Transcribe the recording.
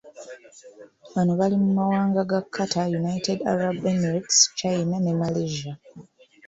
Bano bali mu mawanga nga Qatar, United Arab Emirates, China ne Malaysia.